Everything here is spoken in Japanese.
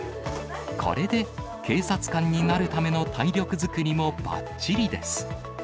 これで警察官になるための体力作りもばっちりです。